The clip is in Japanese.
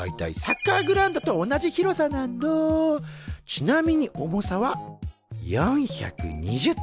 ちなみに重さは４２０ｔ。